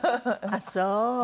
あっそう。